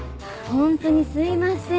ホントにすいません